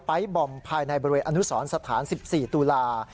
ไป๊บอมภายในบริเวณอนุสรรค์สถาน๑๔ตุลาราช